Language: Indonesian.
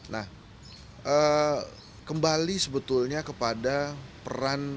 nah kembali sebetulnya kepada peran